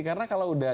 karena kalau udah